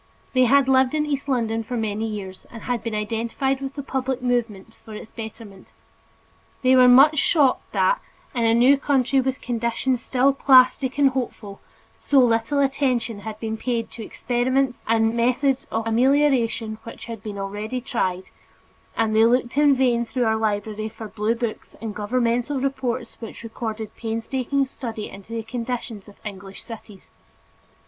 They had lived in East London for many years, and had been identified with the public movements for its betterment. They were much shocked that, in a new country with conditions still plastic and hopeful, so little attention had been paid to experiments and methods of amelioration which had already been tried; and they looked in vain through our library for blue books and governmental reports which recorded painstaking study into the conditions of English cities.